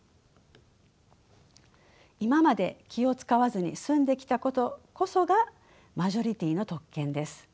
今まで気を遣わずに済んできたことこそがマジョリティーの特権です。